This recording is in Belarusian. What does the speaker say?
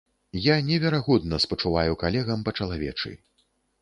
Я неверагодна спачуваю калегам па-чалавечы.